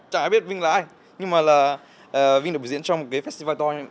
chẳng ai biết vinh là ai nhưng mà vinh được biểu diễn trong một festival to